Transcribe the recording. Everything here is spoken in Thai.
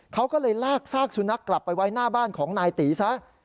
เขาก็เลยลากซากสุนัขกลับไปไว้หน้าบ้านของนายตีซะ